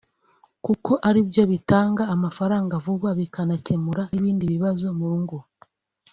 kuko ari byo bitanga amafaranga vuba bikanakemura n’ibindi bibazo mu ngo